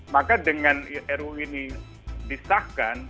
maka dengan ru ini disahkan